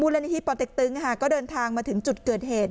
และนิธิปเต็กตึงก็เดินทางมาถึงจุดเกิดเหตุ